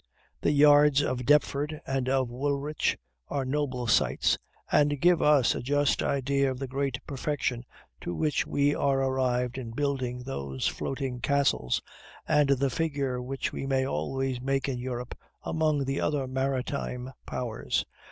The yards of Deptford and of Woolwich are noble sights, and give us a just idea of the great perfection to which we are arrived in building those floating castles, and the figure which we may always make in Europe among the other maritime powers.